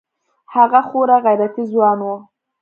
هغه خورا غيرتي ځوان و.